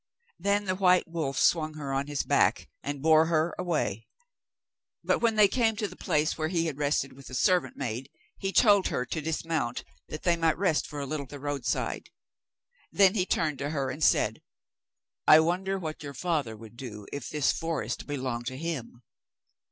Then the white wolf swung her on his back and bore her away. But when they came to the place where he had rested with the servant maid, he told her to dismount that they might rest for a little at the roadside. Then he turned to her and said: 'I wonder what your father would do if this forest belonged to him?